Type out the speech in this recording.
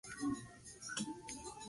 Principis et Dom.